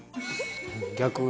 逆。